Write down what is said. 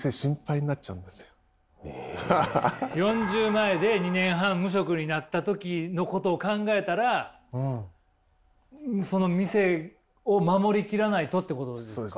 ４０前で２年半無職になった時のことを考えたらその店を守り切らないとってことですか？